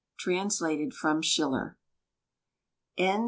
TRANSLATED FROM SCHILLER. INDEX.